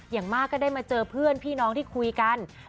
อย่างมากก็ได้มาเจอเพื่อนพี่น้องที่คุยกัน